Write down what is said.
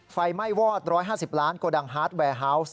ไฟไหม้วอดร้อยห้าสิบล้านโกดังฮาร์ดแวร์ฮาวส์